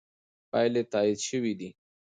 پایلې تایید شوې دي.